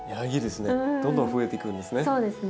どんどん増えていくんですね。